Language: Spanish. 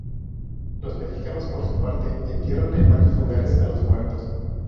Los mexicanos por su parte entierran en varios lugares a los muertos.